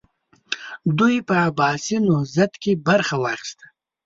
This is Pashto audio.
دوی په عباسي نهضت کې برخه واخیسته.